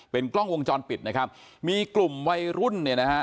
กล้องวงจรปิดนะครับมีกลุ่มวัยรุ่นเนี่ยนะฮะ